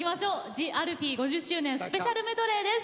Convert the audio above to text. ＴＨＥＡＬＦＥＥ５０周年スペシャルメドレーです。